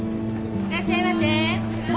いらっしゃいませ！